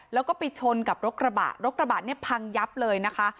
แล้วก็ไปชนกับรถกระบะรถกระบะเนี่ยพังยับเลยนะคะ